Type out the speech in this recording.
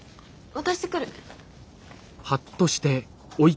渡してくる。